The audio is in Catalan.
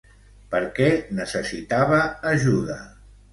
Per què necessitava ajuda?